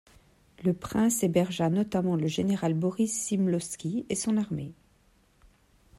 Le prince hébergea notamment le général Boris Smyslovski et son armée.